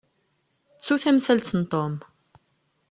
Ttu tamsalt n Tom.